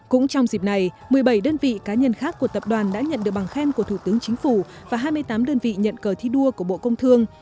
cũng trong dịp này một mươi bảy đơn vị cá nhân khác của tập đoàn đã nhận được bằng khen của thủ tướng chính phủ và hai mươi tám đơn vị nhận cờ thi đua của bộ công thương